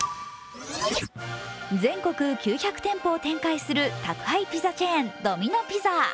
全国９００店舗を展開する宅配ピザチェーン、ドミノ・ピザ。